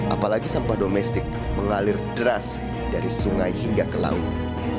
apalagi sampah domestik mengalir deras dari sungai hingga ke laut